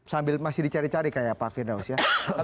sambil masih dicari cari kayak pak firdaus ya